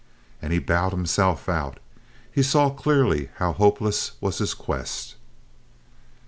And he bowed himself out. He saw clearly how hopeless was his quest.